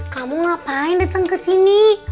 kamu ngapain datang ke sini